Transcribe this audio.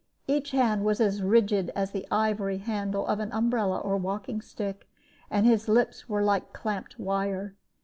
Each hand was as rigid as the ivory handle of an umbrella or walking stick, and his lips were like clamped wire.